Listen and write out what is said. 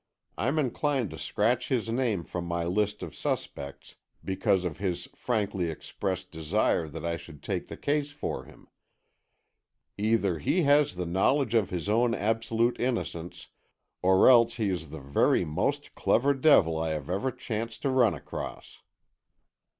I'm inclined to scratch his name from my list of suspects because of his frankly expressed desire that I should take the case for him. Either he has the knowledge of his own absolute innocence, or else he is the very most clever devil I have ever chanced to run across."